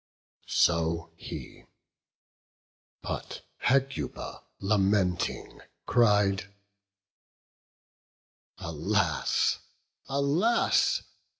So he; but Hecuba lamenting cried, "Alas, alas!